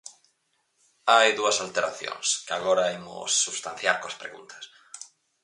Hai dúas alteracións, que agora imos substanciar coas preguntas.